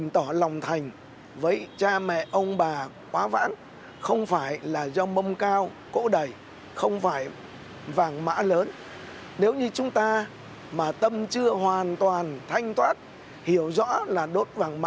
thậm chí cướp tài sản